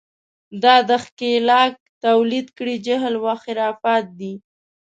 دا د ښکېلاک تولید کړی جهل و خرافات دي.